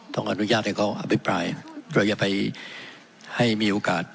ต้องอนุญาตให้เขาอภิปรายโดยอย่าไปให้มีโอกาส